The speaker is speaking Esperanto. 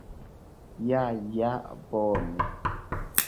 Ja ja bone